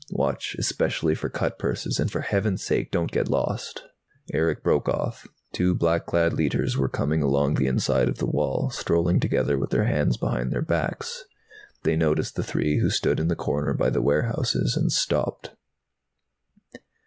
Watch especially for cut purses, and for heaven's sake, don't get lost." Erick broke off. Two black clad Leiters were coming along the inside of the wall, strolling together with their hands behind their backs. They noticed the three who stood in the corner by the warehouses and stopped.